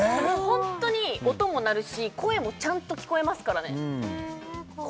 ホントに音も鳴るし声もちゃんと聞こえますからねえー